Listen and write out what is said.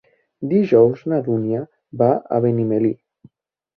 Dijous na Dúnia va a Benimeli.